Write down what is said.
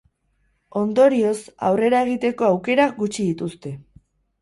Ondorioz, aurrera egiteko aukera gutxi dituzte.